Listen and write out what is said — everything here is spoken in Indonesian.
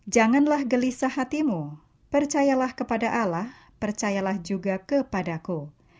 janganlah gelisah hatimu percayalah kepada allah percayalah juga kepadaku